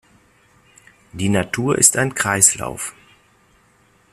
Die Natur ist ein Kreislauf.